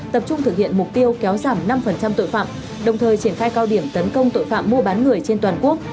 tập trung thực hiện mục tiêu kéo giảm năm tội phạm đồng thời triển khai cao điểm tấn công tội phạm mua bán người trên toàn quốc